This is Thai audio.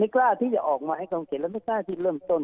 ไม่กล้าที่จะออกมาให้กังเกียจแล้วไม่กล้าที่เริ่มต้น